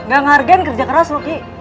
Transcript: gak ngargen kerja keras lo ki